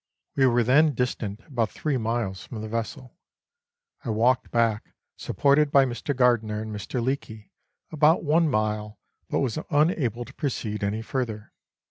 We were then distant about three miles from the vessel. I walked back, supported by Mr. Gardiner and Mr. Leake, about one mile, but was unable to proceed any further.